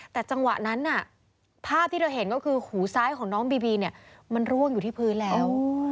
แต่จังหวะนั้นภาพที่เธอเห็นก็คือหูซ้ายของน้องบีบีเนี่ยมันร่วงอยู่ที่พื้นแล้ว